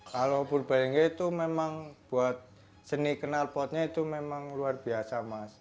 kalau purbarengga itu memang buat seni kenalpotnya itu memang luar biasa mas